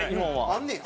あんねや？